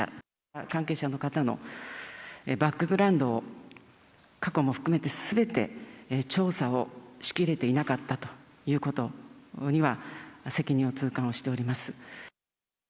関係者の方のバックグラウンドを、過去も含めてすべて調査をしきれていなかったということには、責任を痛感をしております。